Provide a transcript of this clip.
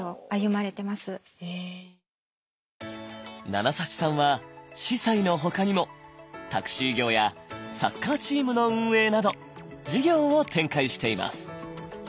ナナ・サチさんは司祭のほかにもタクシー業やサッカーチームの運営など事業を展開しています。